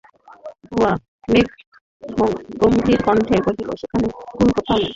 গোরা মেঘগম্ভীরকণ্ঠে কহিল, সেখানে ভুল কোথাও নেই।